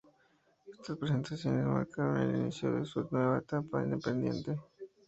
Estas presentaciones marcaron el inicio de su nueva etapa independiente.